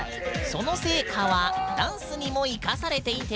その成果はダンスにもいかされていて。